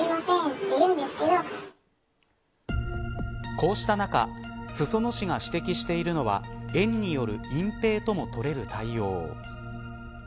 こうした中裾野市が指摘しているのは園による隠蔽とも取れる対応。